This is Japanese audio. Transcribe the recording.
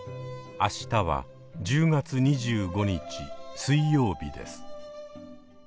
明日は１０月２５日水曜日です。